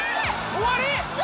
終わり！？